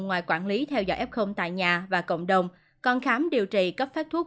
ngoài quản lý theo dõi f tại nhà và cộng đồng còn khám điều trị cấp phát thuốc